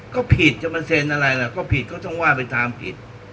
ก็ผิดจะมาเซ็นอะไรล่ะก็ผิดก็ต้องว่าไปตามผิด